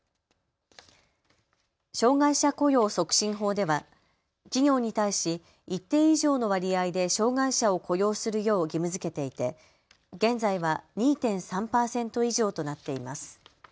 障害者雇用促進法では企業に対し一定以上の割合で障害者を雇用するよう義務づけていて現在は２．３％以上となっています。